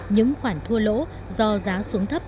những khoản thua lỗ do giá xuống thấp